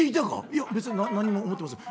「いや別に何も思ってません」。